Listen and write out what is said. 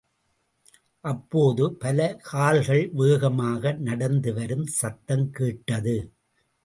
அப்போது பல கால்கள் வேகமாக நடந்து வரும் சத்தம் கேட்டது.